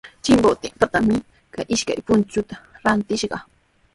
Chimbotetrawmi kay ishkay punchuta rantishqaa.